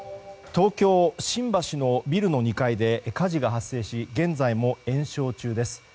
東京・新橋のビルの２階で火事が発生し現在も延焼中です。